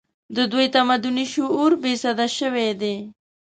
د دوی تمدني شعور بې سده شوی دی